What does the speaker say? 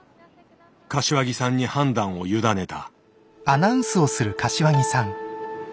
柏木さんに判断を委ねた。